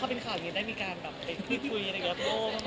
ถ้าเป็นข่าวอย่างนี้ได้มีการแบบไปคุยอะไรกับโลก